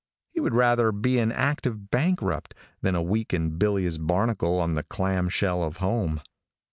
He would rather be an active bankrupt than a weak and bilious barnacle on the clam shell of home.